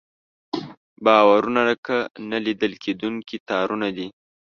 باورونه لکه نه لیدل کېدونکي تارونه دي.